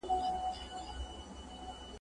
که وخت وي، سينه سپين کوم!؟